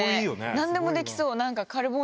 何でもできそう。